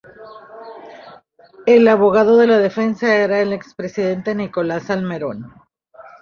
El abogado de la defensa era el expresidente Nicolás Salmerón.